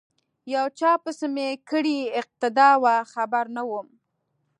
یو چا پسی می کړې اقتدا وه خبر نه وم